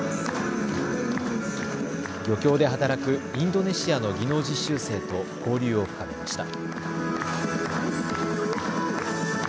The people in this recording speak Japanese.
漁協で働くインドネシアの技能実習生と交流を深めました。